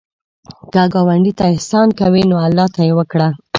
که ګاونډي ته احسان کوې، الله ته یې وکړه